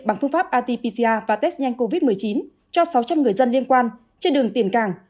bằng phương pháp rt pcr và test nhanh covid một mươi chín cho sáu trăm linh người dân liên quan trên đường tiền càng